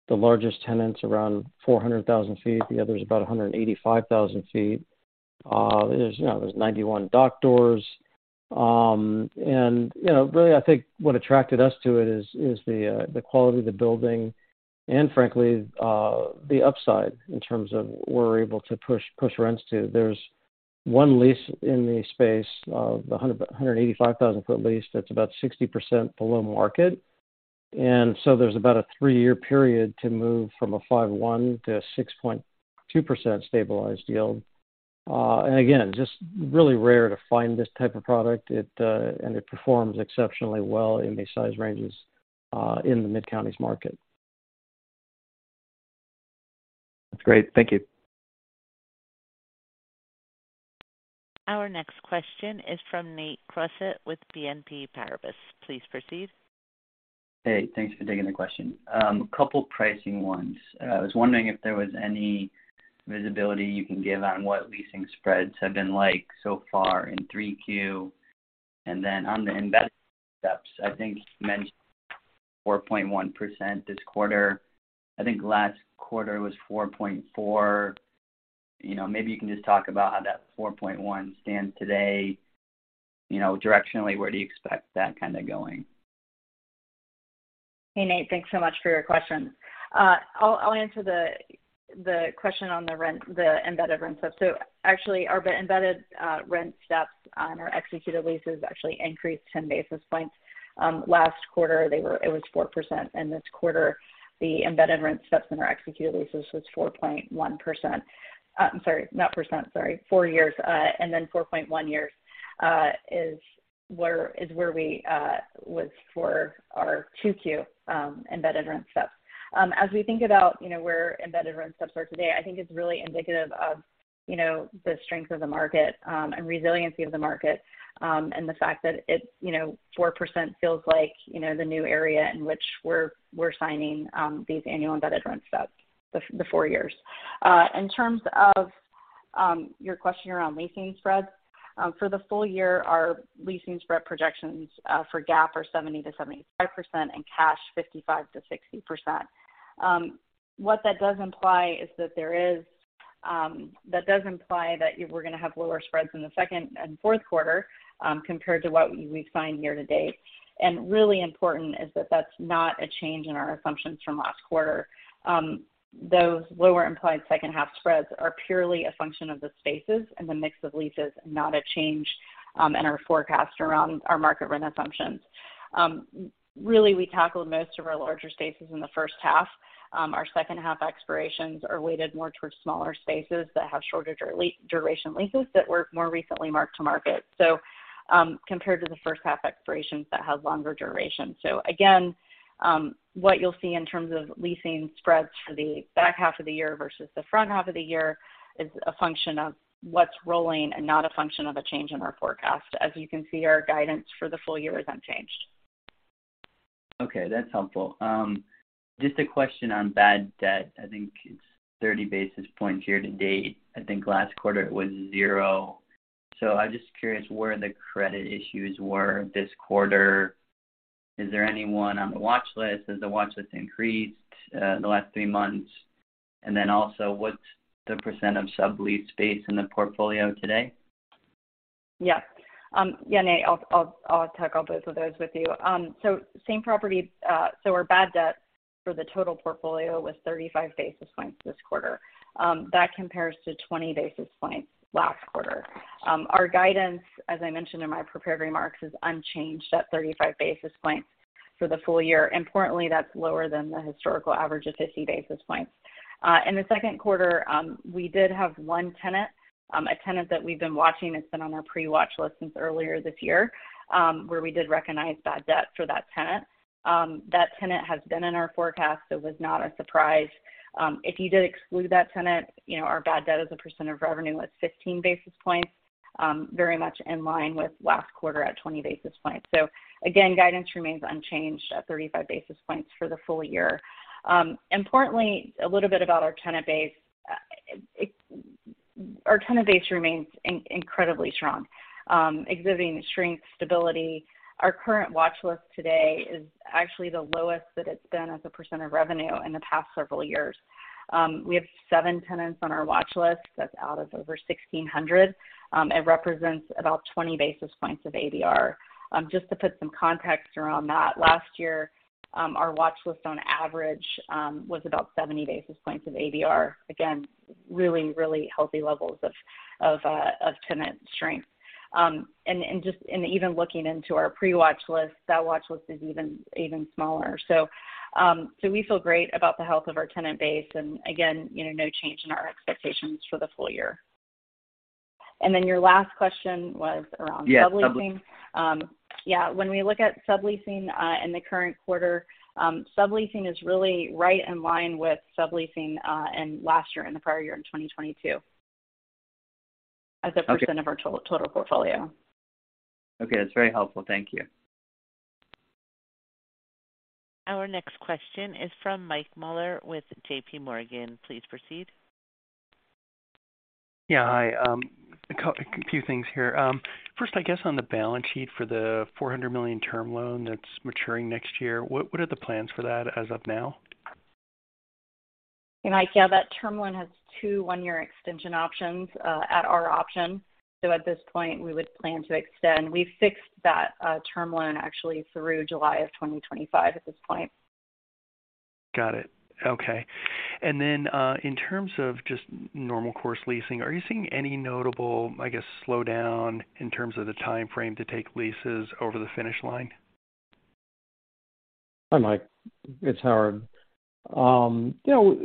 The largest tenant is around 400,000 sq ft. The other is about 185,000 sq ft. There's, you know, 91 dock doors. You know, really, I think what attracted us to it is the quality of the building and frankly, the upside in terms of we're able to push rents too. There's one lease in the space, the 185,000 sq ft lease that's about 60% below market. There's about a three-year period to move from a 5.1% to a 6.2% stabilized yield. Again, just really rare to find this type of product. It, and it performs exceptionally well in the size ranges, in the Mid-Counties market. That's great. Thank you. Our next question is from Nate Crossett with BNP Paribas. Please proceed. Hey, thanks for taking the question. A couple pricing ones. I was wondering if there was any visibility you can give on what leasing spreads have been like so far in 3Q? On the embedded steps, I think you mentioned 4.1% this quarter. I think last quarter was 4.4%. You know, maybe you can just talk about how that 4.1% stands today. You know, directionally, where do you expect that kind of going? Hey, Nate, thanks so much for your questions. I'll answer the question on the rent, the embedded rent step. Actually, our embedded rent steps on our executed leases actually increased 10 basis points. Last quarter, it was 4%, and this quarter, the embedded rent steps in our executed leases was 4.1%. I'm sorry, not percent, sorry, 4 years, and then 4.1 years, is where we was for our 2Q embedded rent steps. As we think about, you know, where embedded rent steps are today, I think it's really indicative of, you know, the strength of the market and resiliency of the market and the fact that it's, you know, 4% feels like, you know, the new area in which we're signing these annual embedded rent steps, the four years. In terms of your question around leasing spreads, for the full year, our leasing spread projections for GAAP are 70%-75% and cash, 55%-60%. What that does imply that we're gonna have lower spreads in the second and fourth quarter compared to what we've signed year to date. Really important is that that's not a change in our assumptions from last quarter. Those lower implied second-half spreads are purely a function of the spaces and the mix of leases, not a change in our forecast around our market rent assumptions. Really, we tackled most of our larger spaces in the first half. Our second-half expirations are weighted more towards smaller spaces that have shorter duration leases that were more recently mark-to-market, so compared to the first half expirations that have longer duration. Again, what you'll see in terms of leasing spreads for the back half of the year versus the front half of the year is a function of what's rolling and not a function of a change in our forecast. As you can see, our guidance for the full year is unchanged. Okay, that's helpful. Just a question on bad debt. I think it's 30 basis points here to date. I think last quarter it was zero. I'm just curious where the credit issues were this quarter. Is there anyone on the watch list? Has the watch list increased, in the last three months? Also, what's the percent of sublet space in the portfolio today? Yeah, Nate, I'll tackle both of those with you. Same property, so our bad debt for the total portfolio was 35 basis points this quarter. That compares to 20 basis points last quarter. Our guidance, as I mentioned in my prepared remarks, is unchanged at 35 basis points for the full year. Importantly, that's lower than the historical average of 50 basis points. In the second quarter, we did have one tenant, a tenant that we've been watching. It's been on our pre-watch list since earlier this year, where we did recognize bad debt for that tenant. That tenant has been in our forecast, so it was not a surprise. If you did exclude that tenant, you know, our bad debt as a percent of revenue was 15 basis points, very much in line with last quarter at 20 basis points. Again, guidance remains unchanged at 35 basis points for the full year. Importantly, a little bit about our tenant base. Our tenant base remains incredibly strong, exhibiting strength, stability. Our current watch list today is actually the lowest that it's been as a percent of revenue in the past several years. We have seven tenants on our watch list. That's out of over 1,600. It represents about 20 basis points of ADR. Just to put some context around that, last year, our watch list on average, was about 70 basis points of ADR. Again, really healthy levels of tenant strength. Even looking into our pre-watch list, that watch list is even smaller. We feel great about the health of our tenant base, and again, you know, no change in our expectations for the full year. Your last question was around. Yeah. subleasing. Yeah, when we look at subleasing, in the current quarter, subleasing is really right in line with subleasing, in last year and the prior year in 2022. Okay as a percent of our total portfolio. Okay. That's very helpful. Thank you. Our next question is from Mike Mueller with JPMorgan. Please proceed. Yeah, hi. A few things here. First, I guess on the balance sheet for the $400 million term loan that's maturing next year, what are the plans for that as of now? Yeah, Mike, yeah, that term loan has two one-year extension options at our option. At this point, we would plan to extend. We fixed that term loan actually through July of 2025 at this point. Got it. Okay. In terms of just normal course leasing, are you seeing any notable, I guess, slowdown in terms of the time frame to take leases over the finish line? Hi, Mike, it's Howard. You know,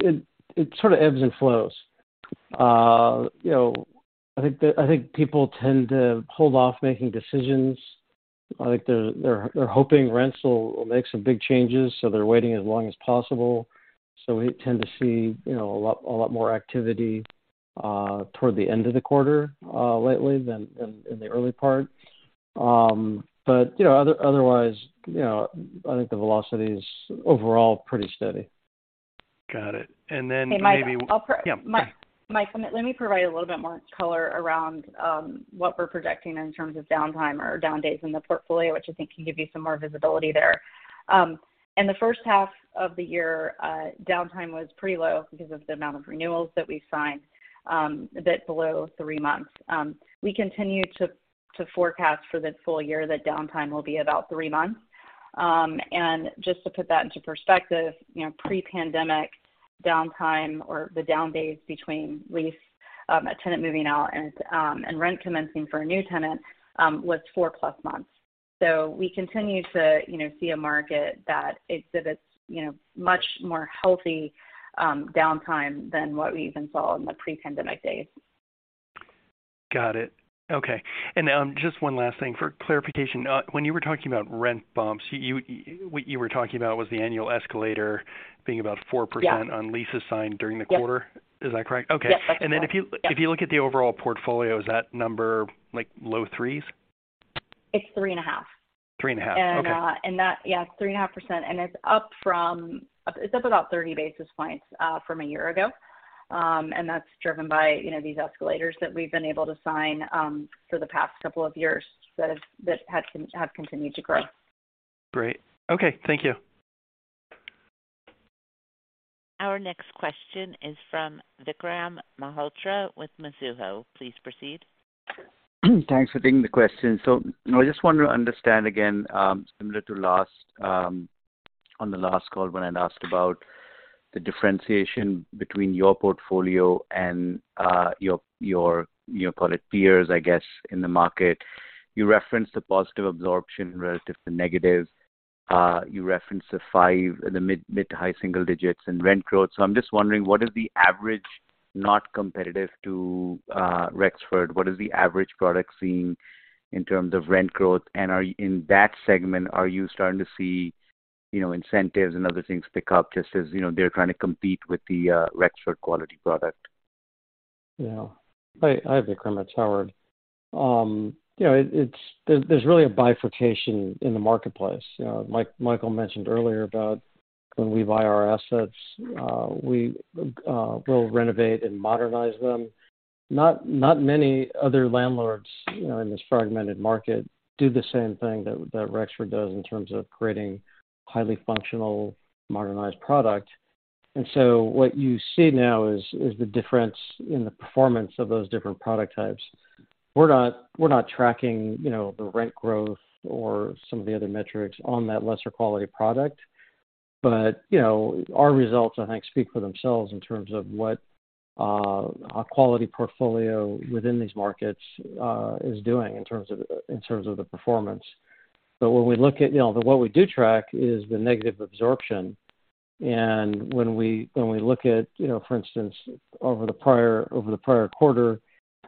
it sort of ebbs and flows. You know, I think people tend to hold off making decisions. I think they're hoping rents will make some big changes, so they're waiting as long as possible. We tend to see, you know, a lot more activity, toward the end of the quarter, lately than in the early part. You know, otherwise, you know, I think the velocity is overall pretty steady. Got it. Hey, Mike. Yeah. Mike, let me provide a little bit more color around what we're projecting in terms of downtime or down days in the portfolio, which I think can give you some more visibility there. In the first half of the year, downtime was pretty low because of the amount of renewals that we signed, a bit below three months. We continue to forecast for the full year that downtime will be about three months. Just to put that into perspective, you know, pre-pandemic downtime or the down days between lease, a tenant moving out and rent commencing for a new tenant, was 4+ months. We continue to, you know, see a market that exhibits, you know, much more healthy, downtime than what we even saw in the pre-pandemic days. Got it. Okay. Just one last thing for clarification. When you were talking about rent bumps, you, what you were talking about was the annual escalator being about 4%? Yeah. on leases signed during the quarter? Yep. Is that correct? Okay. Yes, that's correct. If you look at the overall portfolio, is that number like low 3%s? It's 3.5%. 3.5%, okay. Yeah, it's 3.5%, and it's up from, it's up about 30 basis points, from a year ago. That's driven by, you know, these escalators that we've been able to sign, for the past couple of years that have continued to grow. Great. Okay, thank you. Our next question is from Vikram Malhotra with Mizuho. Please proceed. Thanks for taking the question. I just want to understand again, similar to last, on the last call when I'd asked about the differentiation between your portfolio and your, you know, call it peers, I guess, in the market. You referenced the positive absorption relative to negative. You referenced the 5%, the mid- to high single digits and rent growth. I'm just wondering, what is the average not competitive to Rexford? What is the average product seeing in terms of rent growth? Are you, in that segment, are you starting to see, you know, incentives and other things pick up just as, you know, they're trying to compete with the Rexford quality product? Yeah. Hi, Vikram, it's Howard. You know, it's really a bifurcation in the marketplace. You know, like Michael mentioned earlier about when we buy our assets, we'll renovate and modernize them. Not many other landlords, you know, in this fragmented market do the same thing that Rexford does in terms of creating highly functional, modernized product. What you see now is the difference in the performance of those different product types. We're not tracking, you know, the rent growth or some of the other metrics on that lesser quality product, but, you know, our results, I think, speak for themselves in terms of what a quality portfolio within these markets is doing in terms of the performance. When we look at, you know, but what we do track is the negative absorption. When we look at, you know, for instance, over the prior quarter,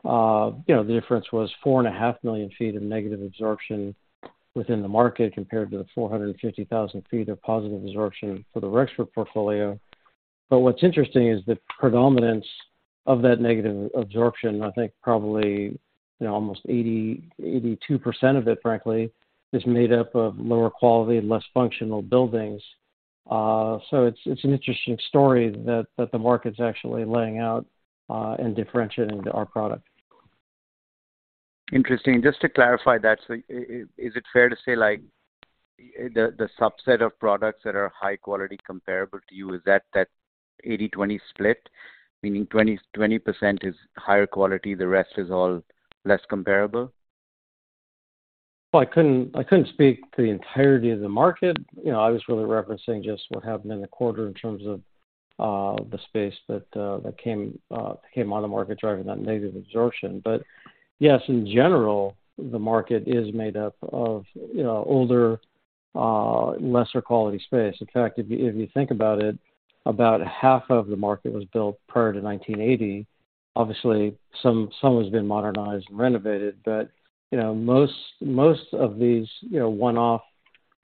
you know, the difference was 4.5 million ft of negative absorption within the market, compared to the 450,000 ft of positive absorption for the Rexford portfolio. What's interesting is the predominance of that negative absorption, I think probably, you know, almost 82% of it, frankly, is made up of lower quality and less functional buildings. It's an interesting story that the market's actually laying out, and differentiating our product. Interesting. Just to clarify that, is it fair to say, like, the subset of products that are high quality comparable to you, is that 80/20 split? Meaning 20% is higher quality, the rest is all less comparable? Well, I couldn't speak to the entirety of the market. You know, I was really referencing just what happened in the quarter in terms of the space that came on the market, driving that negative absorption. Yes, in general, the market is made up of, you know, older, lesser quality space. In fact, if you, if you think about it, about half of the market was built prior to 1980. Obviously, some has been modernized and renovated, but you know, most of these, you know, one-off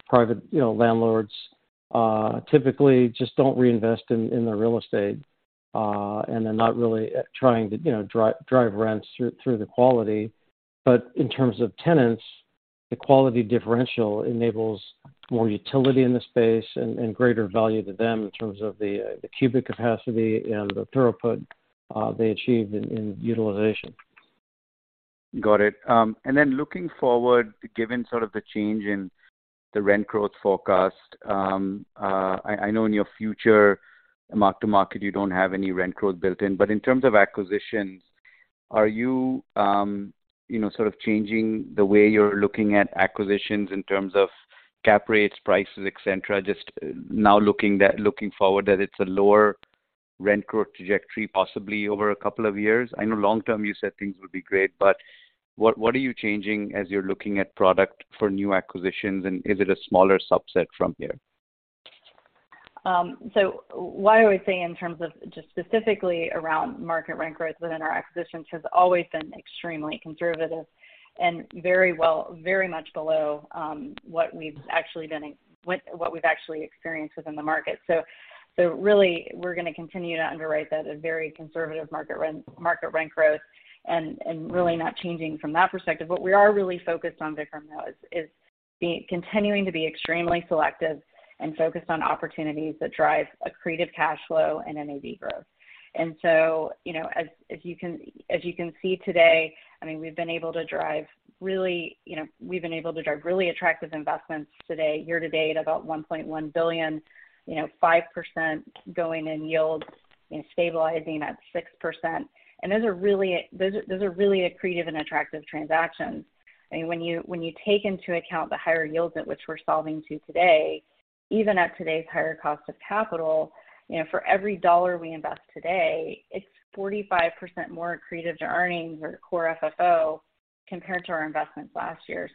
private, you know, landlords typically just don't reinvest in their real estate. They're not really trying to, you know, drive rents through the quality. In terms of tenants, the quality differential enables more utility in the space and greater value to them in terms of the cubic capacity and the throughput they achieve in utilization. Got it. Then looking forward, given sort of the change in the rent growth forecast, I know in your future mark-to-market, you don't have any rent growth built in, but in terms of acquisitions? Are you know, sort of changing the way you're looking at acquisitions in terms of cap rates, prices, et cetera, just now looking forward, that it's a lower rent growth trajectory, possibly over a couple of years? I know long term, you said things would be great. What are you changing as you're looking at product for new acquisitions, and is it a smaller subset from here? I would say in terms of just specifically around market rent growth within our acquisitions, has always been extremely conservative and very much below what we've actually been, what we've actually experienced within the market. Really, we're going to continue to underwrite that a very conservative market rent growth and really not changing from that perspective. What we are really focused on, Vikram, though, is continuing to be extremely selective and focused on opportunities that drive accretive cash flow and NAV growth. You know, as you can see today, I mean, we've been able to drive really attractive investments today, year to date, about $1.1 billion, you know, 5% going in yield and stabilizing at 6%. Those are really accretive and attractive transactions. I mean, when you, when you take into account the higher yields at which we're solving to today, even at today's higher cost of capital, you know, for every dollar we invest today, it's 45% more accretive to earnings or core FFO compared to our investments last year.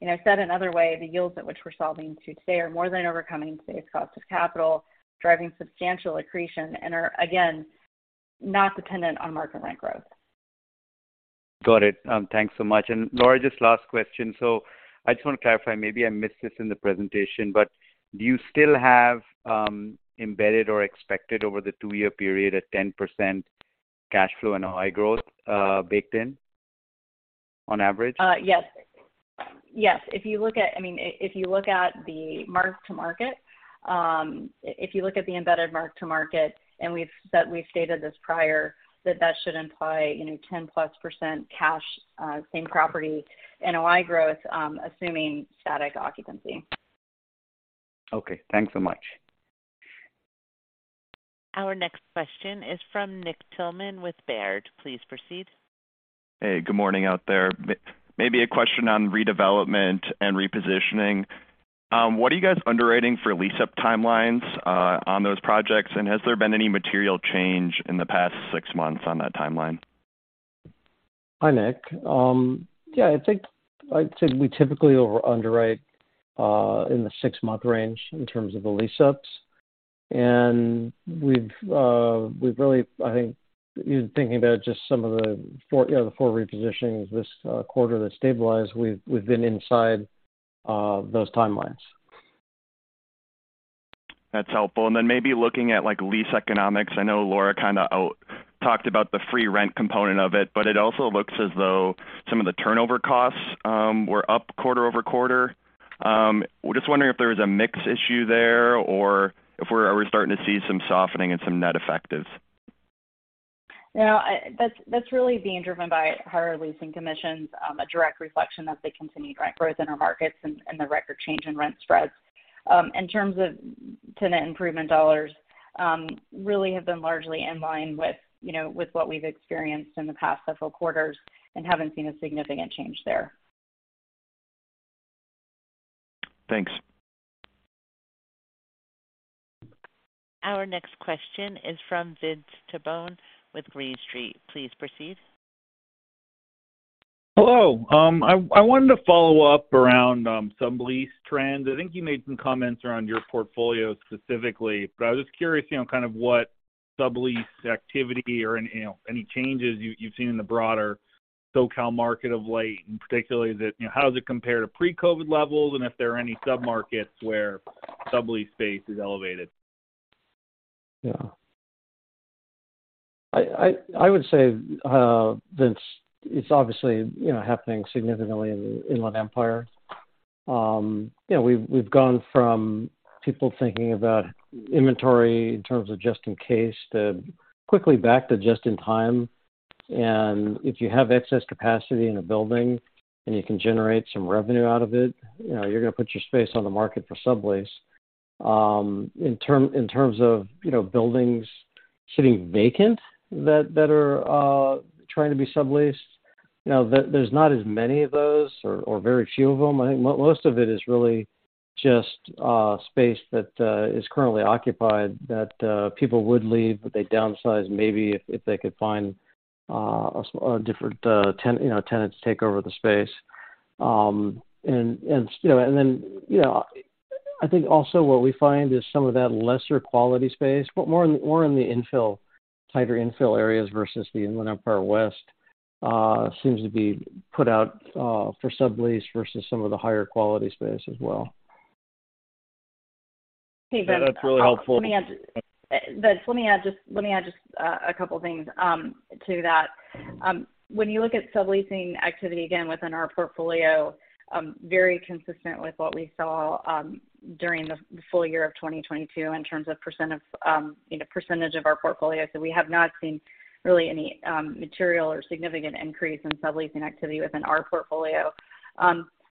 You know, said another way, the yields at which we're solving to today are more than overcoming today's cost of capital, driving substantial accretion and are again, not dependent on market rent growth. Got it. Thanks so much. Laura, just last question. I just want to clarify, maybe I missed this in the presentation, but do you still have embedded or expected over the two-year period, a 10% cash flow and NOI growth baked in on average? Yes. Yes. If you look at the mark-to-market, if you look at the embedded mark-to-market, we've stated this prior, that that should imply, you know, 10+% cash, same property NOI growth, assuming static occupancy. Okay. Thanks so much. Our next question is from Nick Thillman with Baird. Please proceed. Hey, good morning out there. Maybe a question on redevelopment and repositioning. What are you guys underwriting for lease-up timelines on those projects? Has there been any material change in the past six months on that timeline? Hi, Nick. yeah, I think I'd say we typically over underwrite, in the six-month range in terms of the lease-ups. We've really I think, even thinking about just some of the four, you know, the four repositionings this quarter that stabilized, we've been inside those timelines. That's helpful. Maybe looking at, like, lease economics, I know Laura kind of talked about the free rent component of it, but it also looks as though some of the turnover costs were up quarter-over-quarter. We're just wondering if there was a mix issue there or if are we starting to see some softening and some net effectives? Yeah, that's really being driven by higher leasing commissions, a direct reflection of the continued rent growth in our markets and the record change in rent spreads. In terms of tenant improvement dollars, really have been largely in line with, you know, with what we've experienced in the past several quarters and haven't seen a significant change there. Thanks. Our next question is from Vince Tibone with Green Street. Please proceed. Hello. I wanted to follow up around, sublease trends. I think you made some comments around your portfolio specifically, I was just curious, you know, kind of what sublease activity or any, you know, any changes you've seen in the broader SoCal market of late, and particularly that, you know, how does it compare to pre-COVID levels, and if there are any submarkets where sublease space is elevated? Yeah. I would say, Vince, it's obviously, you know, happening significantly in Inland Empire. You know, we've gone from people thinking about inventory in terms of just in case, to quickly back to just in time. If you have excess capacity in a building and you can generate some revenue out of it, you know, you're going to put your space on the market for sublease. In terms of, you know, buildings sitting vacant that are trying to be subleased, you know, there's not as many of those or very few of them. I think most of it is really just space that is currently occupied, that people would leave, but they downsize, maybe if they could find a different, you know, tenant to take over the space. You know, I think also what we find is some of that lesser quality space, but more in the infill, tighter infill areas versus the Inland Empire West, seems to be put out for sublease versus some of the higher quality space as well. That's really helpful. Vince, let me add just a couple of things to that. When you look at subleasing activity again, within our portfolio, very consistent with what we saw during the full year of 2022 in terms of percent of, you know, percentage of our portfolio. We have not seen really any material or significant increase in subleasing activity within our portfolio.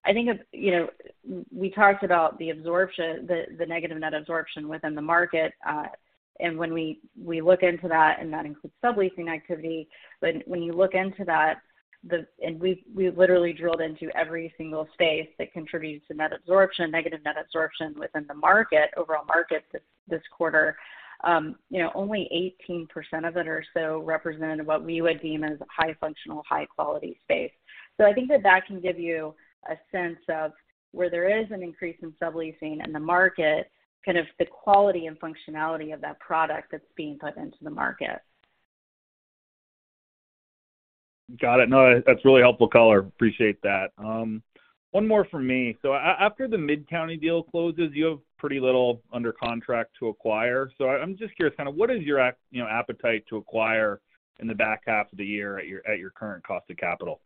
I think, you know, we talked about the absorption, the negative net absorption within the market. When we look into that, and that includes subleasing activity. When you look into that the, and we've literally drilled into every single space that contributes to net absorption, negative net absorption within the market, overall market this quarter. you know, only 18% of it or so represented what we would deem as high functional, high-quality space. I think that that can give you a sense of where there is an increase in subleasing in the market, kind of the quality and functionality of that product that's being put into the market. Got it. No, that's really helpful color. Appreciate that. One more from me. After the Mid-County deal closes, you have pretty little under contract to acquire. I'm just curious, kind of what is your you know, appetite to acquire in the back half of the year at your current cost of capital?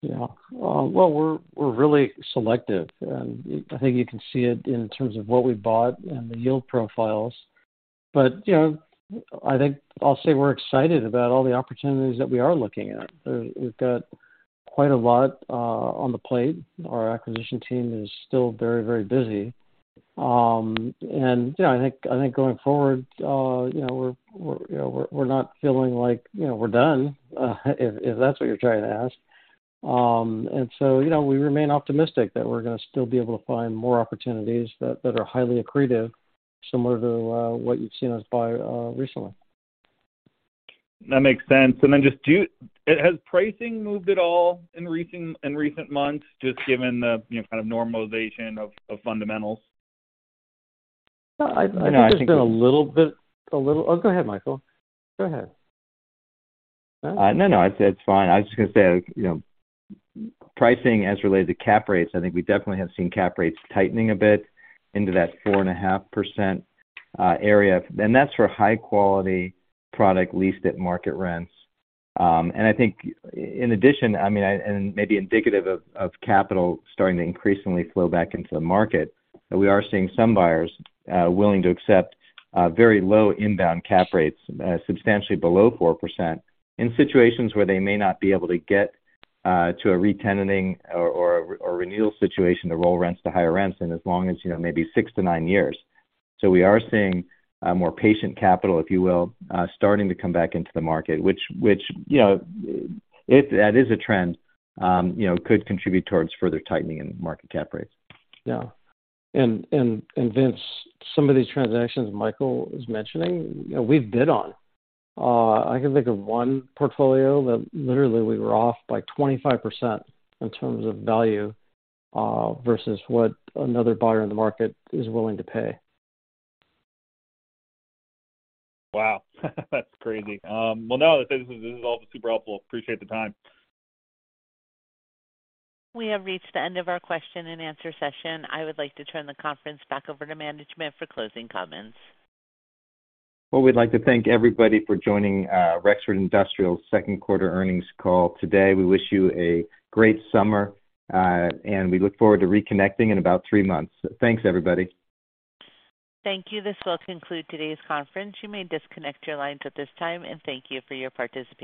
Yeah. Well, we're really selective, and I think you can see it in terms of what we bought and the yield profiles. You know, I think I'll say we're excited about all the opportunities that we are looking at. We've got quite a lot on the plate. Our acquisition team is still very, very busy. You know, I think going forward, you know, we're, you know, we're not feeling like, you know, we're done, if that's what you're trying to ask. You know, we remain optimistic that we're going to still be able to find more opportunities that are highly accretive, similar to, what you've seen us buy, recently. That makes sense. Then just Has pricing moved at all in recent months, just given the, you know, kind of normalization of fundamentals? I think it's been a little bit. Oh, go ahead, Michael. Go ahead. No, no, it's fine. I was just going to say, you know, pricing as related to cap rates, I think we definitely have seen cap rates tightening a bit into that 4.5% area, and that's for high-quality product leased at market rents. I mean, and maybe indicative of capital starting to increasingly flow back into the market, that we are seeing some buyers willing to accept very low inbound cap rates, substantially below 4%, in situations where they may not be able to get to a retenanting or renewal situation to roll rents to higher rents, and as long as, you know, maybe six-nine years. We are seeing, more patient capital, if you will, starting to come back into the market, which, you know, if that is a trend, you know, could contribute towards further tightening in market cap rates. Yeah. Vince, some of these transactions Michael is mentioning, you know, we've bid on. I can think of one portfolio that literally we were off by 25% in terms of value, versus what another buyer in the market is willing to pay. Wow, that's crazy. No, this is all super helpful. Appreciate the time. We have reached the end of our question and answer session. I would like to turn the conference back over to management for closing comments. Well, we'd like to thank everybody for joining, Rexford Industrial's second quarter earnings call today. We wish you a great summer, and we look forward to reconnecting in about three months. Thanks, everybody. Thank you. This will conclude today's conference. You may disconnect your lines at this time. Thank you for your participation.